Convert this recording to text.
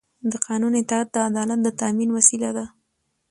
د قانون اطاعت د عدالت د تأمین وسیله ده